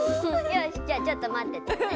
よしじゃあちょっとまっててね。